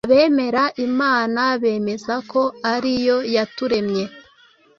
Abemera Imana bemeza ko ari yo yaturemye